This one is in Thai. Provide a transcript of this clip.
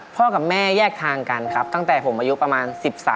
กับแม่แยกทางกันครับตั้งแต่ผมอายุประมาณ๑๓